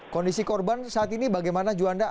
kondisi korban saat ini bagaimana juanda